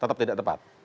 tetap tidak tepat